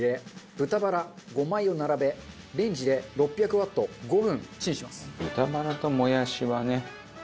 豚バラ５枚を並べレンジで６００ワット５分チンします。